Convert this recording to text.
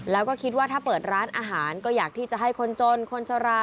แล้วก็คิดว่าถ้าเปิดร้านอาหารก็อยากที่จะให้คนจนคนชะลา